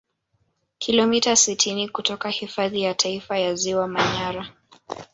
kilomita sitini kutoka hifadhi ya taifa ya ziwa manyara